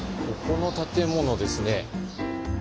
ここの建物ですね。